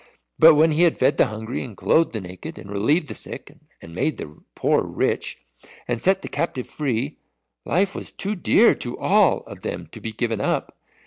But when he had fed the hungry, and clothed the naked, and relieved the sick, and made the poor rich, and set the captive free, life was too dear to all of them to be given up.